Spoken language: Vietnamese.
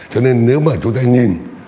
cho nên nếu mà chúng ta nhìn